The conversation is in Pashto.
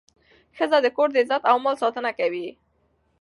ښځه د کور د عزت او مال ساتنه کوي.